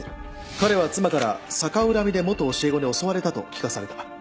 彼は妻から「逆恨みで元教え子に襲われた」と聞かされた。